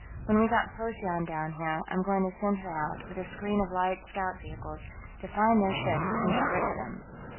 "When we get Procyon down here, I'm going to send her out, with a screen of light scout vehicles, to find those ships and get rid of them....